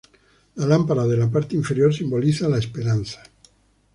La lámpara de la parte inferior simboliza la esperanza.